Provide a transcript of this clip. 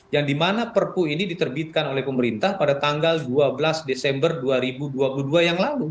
yang dimana perpu ini diterbitkan oleh pemerintah pada tanggal dua belas desember dua ribu dua puluh dua yang lalu